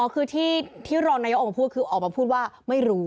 คือที่รองนายกออกมาพูดคือออกมาพูดว่าไม่รู้